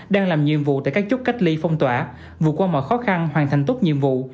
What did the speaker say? đang làm nhiệm vụ tại các chốt cách ly phong tỏa vượt qua mọi khó khăn hoàn thành tốt nhiệm vụ